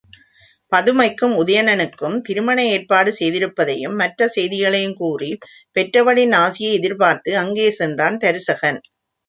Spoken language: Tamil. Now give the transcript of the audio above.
பதுமைக்கும் உதயணனுக்கும் திருமண ஏற்பாடு செய்திருப்பதையும் மற்ற செய்திகளையும் கூறிப் பெற்றவளின் ஆசியை எதிர்பார்த்து அங்கே சென்றான் தருசகன்.